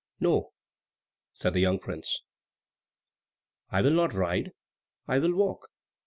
"No," said the young prince, "I will not ride, I will walk."